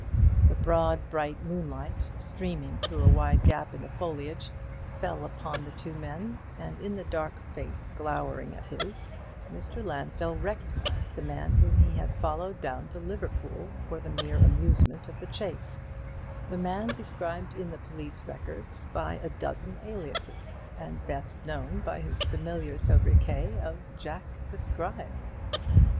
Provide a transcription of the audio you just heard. The broad bright moonlight streaming through a wide gap in the foliage fell full upon the two men; and in the dark face glowering at his, Mr. Lansdell recognized the man whom he had followed down to Liverpool for the mere amusement of the chase, the man described in the police records by a dozen aliases, and best known by his familiar sobriquet of "Jack the Scribe."